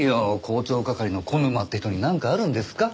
広聴係の小沼って人になんかあるんですか？